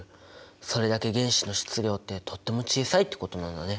それだけ原子の質量ってとっても小さいってことなんだね。